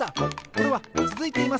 これはつづいています！